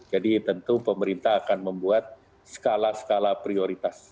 jadi tentu pemerintah akan membuat skala skala prioritas